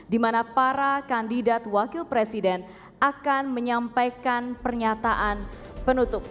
dimana para kandidat wakil presiden akan menyampaikan pernyataan penutup